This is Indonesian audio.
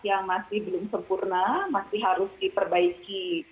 yang masih belum sempurna masih harus diperbaiki